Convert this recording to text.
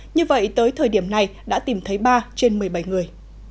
như vậy tới thời điểm này đã tìm thấy ba trên một mươi bảy người